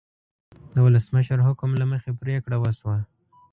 د ولسمشر حکم له مخې پریکړه وشوه.